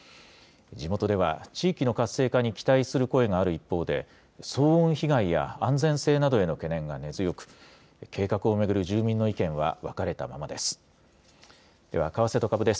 地元では、地域の活性化に期待する声がある一方で、騒音被害や安全性などへの懸念が根強く、計画を巡る住民の意見は分かれたままです。